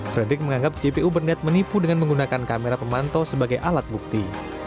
frederick menganggap jpu berniat menipu dengan menggunakan kamera pemantau sebagai alat bukti